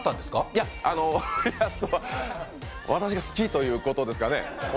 いや、私が好きということですかね。